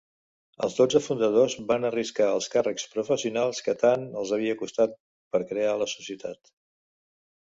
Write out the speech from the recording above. Els dotze fundadors van arriscar els càrrecs professionals que tant els havien costat per crear la societat.